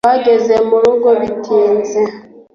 twageze murugo bitinze